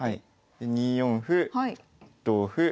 で２四歩同歩。